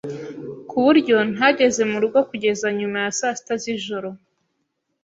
ku buryo ntageze mu rugo kugeza nyuma ya saa sita z'ijoro.